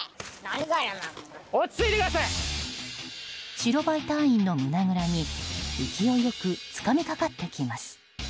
白バイ隊員の胸ぐらに勢いよくつかみかかってきます。